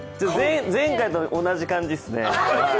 前回と同じ感じですね。